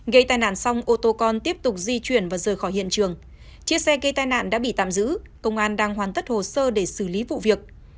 gây tai nạn xong ô tô con tiếp tục di chuyển và rời khỏi hiện trường chiếc xe gây tai nạn đã bị tạm giữ công an đang hoàn tất hồ sơ để xử lý vụ việc